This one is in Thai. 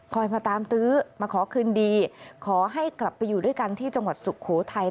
มาตามตื้อมาขอคืนดีขอให้กลับไปอยู่ด้วยกันที่จังหวัดสุโขทัย